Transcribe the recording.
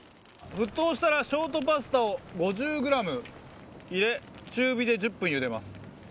沸騰したらショートパスタを５０ｇ入れ中火で１０分茹でます。